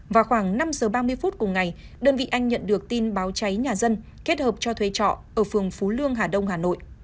vào khoảng năm giờ ba mươi phút cùng ngày đơn vị anh nhận được tin báo cháy nhà dân kết hợp cho thuê trọ ở phường phú lương hà đông hà nội